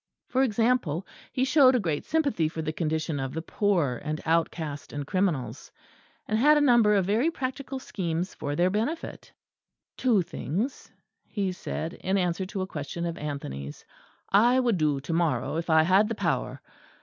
For example, he showed a great sympathy for the condition of the poor and outcast and criminals; and had a number of very practical schemes for their benefit. "Two things," he said, in answer to a question of Anthony's, "I would do to morrow if I had the power.